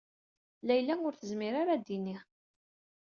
Layla ur tezmir ara ad d-tini.